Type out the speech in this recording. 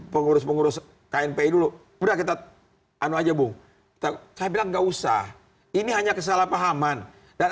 pengurus pengurus knpi dulu udah kita ano aja bu tak ada nggak usah ini hanya kesalahpahaman dan